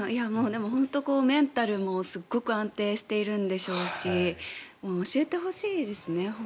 本当にメンタルもすごく安定しているんでしょうし教えてほしいですね。